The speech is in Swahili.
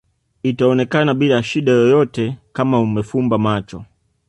itaonekana bila shida yoyote Kama umefunga macho